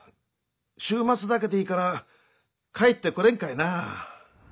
週末だけでいいから帰ってこれんかいなあ？